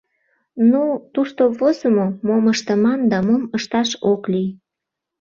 Ну, тушто возымо — мом ыштыман да мом ышташ ок лий.